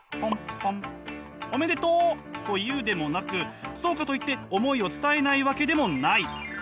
「おめでとう！」と言うでもなくそうかといって思いを伝えないわけでもない。